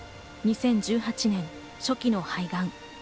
２０１８年、初期の肺がん。